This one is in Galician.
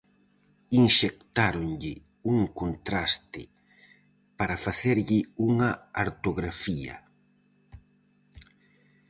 Inxectáronlle un contraste para facerlle unha artrografía.